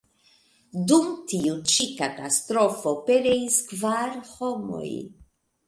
Dum tiu ĉi katastrofo pereis kvar homoj.